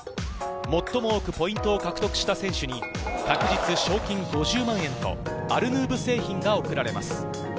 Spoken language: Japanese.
最も多くポイントを獲得した選手に各日、賞金５０万円とアルヌーブ製品が贈られます。